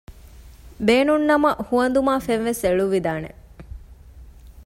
ބޭނުން ނަމަ ހުވަނދުމާ ފެން ވެސް އެޅުއްވިދާނެ